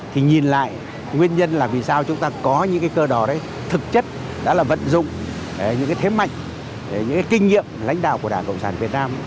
thì nhìn lại nguyên nhân là vì sao chúng ta có những cái cơ đỏ đấy thực chất đã là vận dụng những cái thế mạnh những cái kinh nghiệm lãnh đạo của đảng cộng sản việt nam